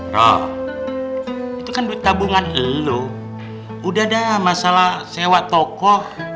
roh itu kan duit tabungan lo udah dah masalah sewa tokoh